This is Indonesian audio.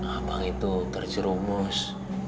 abang itu terjerumus